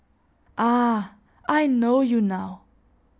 Ah! I know you now.